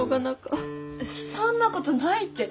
そんなことないって。